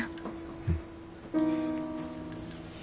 うん。